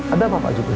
ada apa pak jufri